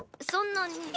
そんなに。